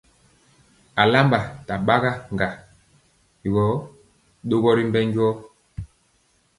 Alamba ntaɓaga yɔ ɗogɔ ri mbɛ jɔɔ.